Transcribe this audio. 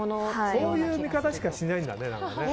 そういう見方しかしないんだね。